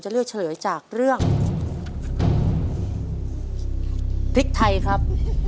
เลือกเฉลยจากเรื่องพริกไทยครับ